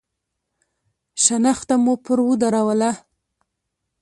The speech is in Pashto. شنخته مو پر ودروله.